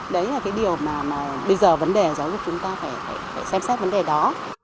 đấy là cái điều mà bây giờ vấn đề giáo dục chúng ta phải xem xét vấn đề đó